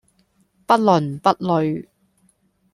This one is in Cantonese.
不倫不類